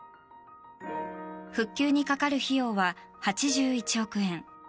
復旧にかかる費用は８１億円。